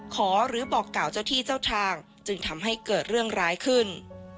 หรือบอกกล่าวเจ้าที่เจ้าทางจึงทำให้เกิดเรื่องร้ายขึ้น